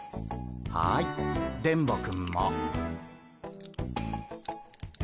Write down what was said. はい電ボくんも。